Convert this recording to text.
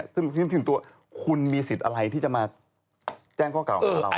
ซึ่งคุณมีสิทธิ์อะไรที่จะมาแจ้งข้อเก่าของเรา